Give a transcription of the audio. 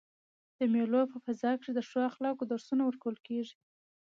د مېلو په فضا کښي د ښو اخلاقو درسونه ورکول کیږي.